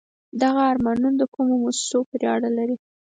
دغه آرمانون د کومو موسسو پورې اړه لري؟